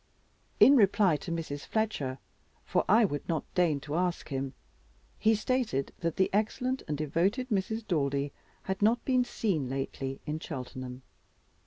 In reply to Mrs. Fletcher, for I would not deign to ask him, he stated that the excellent and devoted Mrs. Daldy had not been seen lately in Cheltenham.